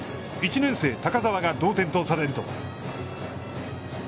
１年生高沢が同点とされると。